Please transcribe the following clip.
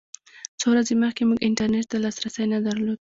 څو ورځې مخکې موږ انټرنېټ ته لاسرسی نه درلود.